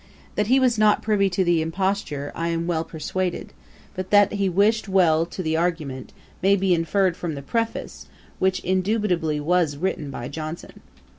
That he was not privy to the imposture, I am well persuaded; but that he wished well to the argument, may be inferred from the Preface, which indubitably was written by Johnson.'